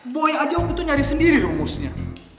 boy aja om itu nyari sendiri rumusnya